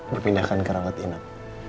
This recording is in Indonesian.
dipindahkan ke rawat inap